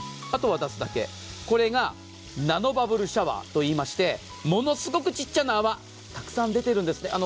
あとは出すだけ、これがナノバブルシャワーといいましてものすごくちっちゃな泡がたくさん出ているんですね。